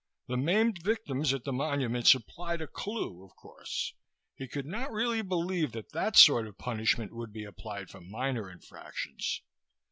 The maimed victims at the Monument supplied a clue, of course. He could not really believe that that sort of punishment would be applied for minor infractions.